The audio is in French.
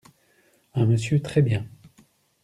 Un monsieur très bien.